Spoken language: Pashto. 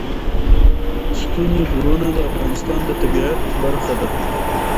ستوني غرونه د افغانستان د طبیعت برخه ده.